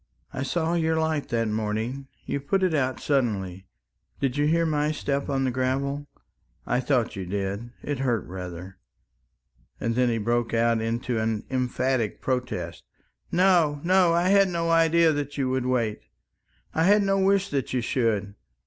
"I saw your light that morning ... you put it out suddenly ... did you hear my step on the gravel?... I thought you did, it hurt rather," and then he broke out into an emphatic protest. "No, no, I had no idea that you would wait. I had no wish that you should.